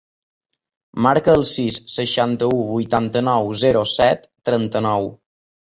Marca el sis, seixanta-u, vuitanta-nou, zero, set, trenta-nou.